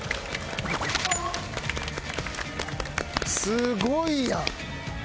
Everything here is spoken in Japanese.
すごいやん！